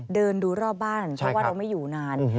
เดินดูรอบบ้านเพราะว่าเราไม่อยู่นาน